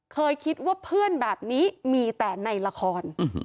เคยคิดว่าเพื่อนแบบนี้มีแต่ในละคร